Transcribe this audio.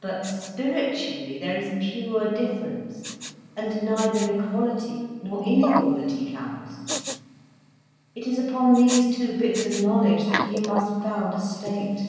But spiritually, there is pure difference and neither equality nor inequality counts. It is upon these two bits of knowledge that you must found a state.